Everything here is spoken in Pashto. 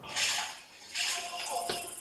زه اوږده وخت سفر کوم؟